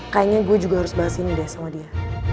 kayaknya gue juga harus bahas ini deh sama dia